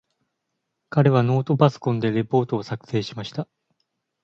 彼はノートパソコンでレポートを作成しました。